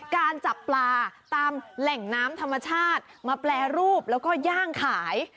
จับปลาตามแหล่งน้ำธรรมชาติมาแปรรูปแล้วก็ย่างขาย